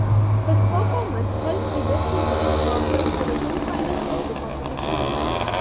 His performance helped the West Indies progress to the semi-finals of the competition.